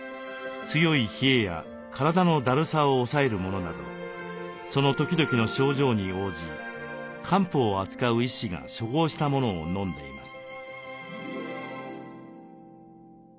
強い冷えや体のだるさを抑えるものなどその時々の症状に応じ漢方を扱う医師が処方したものをのんでいます。